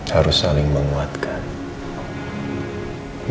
harus saling menguatkan